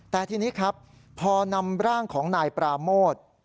แต่ทีนี้ครับพอนำร่างของนายปราโมท